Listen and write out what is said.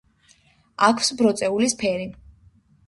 აქვს ბროწეულის ფერი.